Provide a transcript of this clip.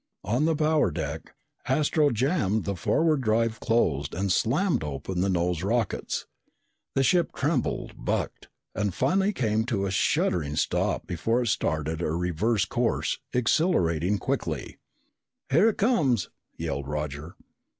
On the power deck, Astro jammed the forward drive closed and slammed open the nose rockets. The ship trembled, bucked, and finally came to a shuddering stop before it started a reverse course, accelerating quickly. "Here it comes!" yelled Roger.